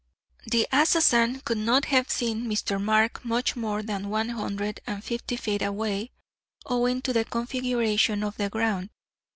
"The assassin could not have seen Mr. Mark much more than one hundred and fifty feet away, owing to the configuration of the ground.